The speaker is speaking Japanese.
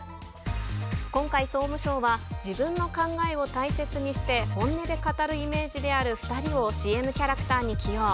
今回、総務省は、自分の考えを大切にして、本音で語るイメージである２人を、ＣＭキャラクターに起用。